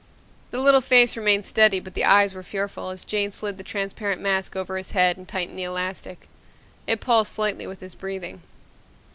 The little face remained steady but the eyes were fearful as Jane slid the transparent mask over his head and tightened the elastic. It pulsed slightly with his breathing.